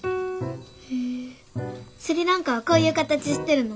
へえスリランカはこういう形してるの？